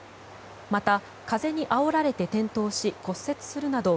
また、風にあおられて転倒し骨折するなど